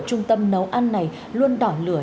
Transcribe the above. trung tâm nấu ăn này luôn đỏ lửa